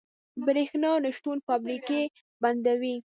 برښنا نشتون فابریکې بندوي.